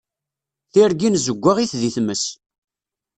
Tirgin zeggaɣit di tmes.